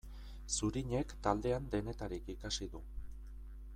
Zurinek taldean denetarik ikasi du.